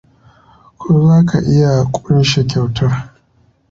Ko za ka iya ƙunshe kyautar?